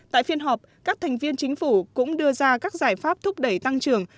tại phiên họp các thành viên chính phủ cũng đưa ra các giải pháp thúc đẩy tăng trưởng